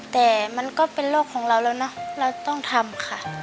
แต่มันก็เป็นโรคของเราแล้วนะเราต้องทำค่ะ